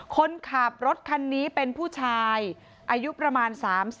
คนขับรถคันนี้เป็นผู้ชายอายุประมาณ๓๐